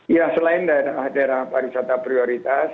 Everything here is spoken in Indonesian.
ya selain daerah daerah para wisata prioritas pak sandi